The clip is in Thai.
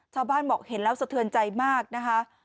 ชาวบ้านบอกเห็นแล้วสะเทือนใจมากนะคะ